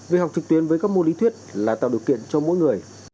về học trực tuyến với các môn lý thuyết là tạo điều kiện cho mỗi người